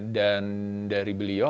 dan dari beliau